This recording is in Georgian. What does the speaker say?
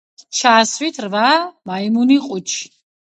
ჩასვით რვა მაიმუნი ყუთში.